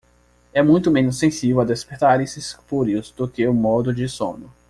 É muito menos sensível a despertares espúrios do que o modo de sono.